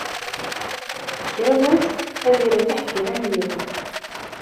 Kra n wass ad yerbeḥ kra n yiwen.